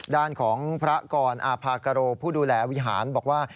ด้านของพระกรอาภากโรผู้ดูแลวิหารบอกว่า